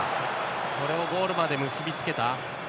それをゴールまで結びつけた。